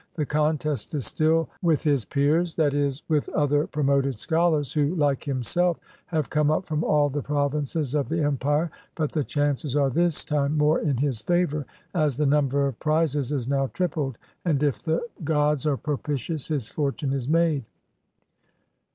The contest is still with his peers; that is, with other "Promoted Scholars," who, like himself, have come up from all the provinces of the empire. But the chances are this time more in his favor, as the number of prizes is now tripled; and if the gods are propitious, his fortune is made.